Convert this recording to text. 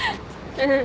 うん。